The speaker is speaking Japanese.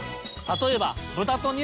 例えば。